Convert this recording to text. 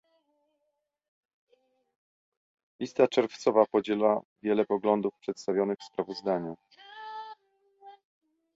Lista Czerwcowa podziela wiele poglądów przedstawionych w sprawozdaniu